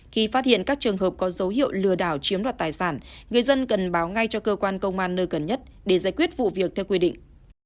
khi phát hiện các trường hợp có dấu hiệu lừa đảo chiếm đoạt tài sản người dân cần báo ngay cho cơ quan công an nơi gần nhất để giải quyết vụ việc theo quy định